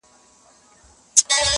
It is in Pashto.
او که يې اخلې نو آدم اوحوا ولي دوه وه~